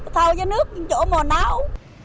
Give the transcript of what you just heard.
thau với nước chỗ mồ náu